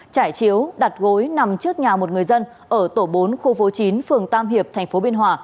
trải chiếu đặt gối nằm trước nhà một người dân ở tổ bốn khu phố chín phường tam hiệp tp biên hòa